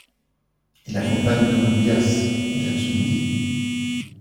Il accompagne Don Byas, James Moody.